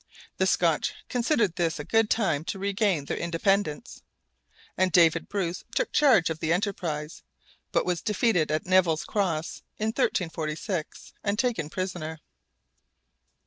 The Scotch considered this a good time to regain their independence, and David Bruce took charge of the enterprise, but was defeated at Neville's Cross, in 1346, and taken prisoner.